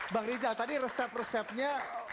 bang rizal tadi resep resepnya